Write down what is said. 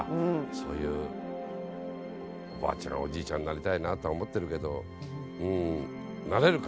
そういうおばあちゃんやおじいちゃんになりたいなとは思ってるけどなれるかな？